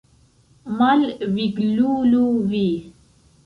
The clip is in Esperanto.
Malviglulo vi!